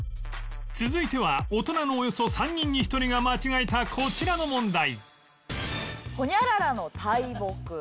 続いては大人のおよそ３人に１人が間違えたこちらの問題